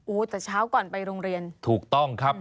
โอ้แต่เช้าก่อนไปโรงเรียน